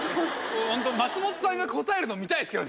ホント松本さんが答えるの見たいですけどね